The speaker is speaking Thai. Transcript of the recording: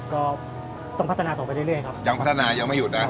ก็ต้องพัฒนาต่อไปเรื่อยครับยังพัฒนายังไม่หยุดนะ